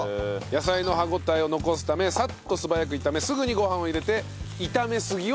野菜の歯応えを残すためサッと素早く炒めすぐにご飯を入れて炒めすぎを防ぐと。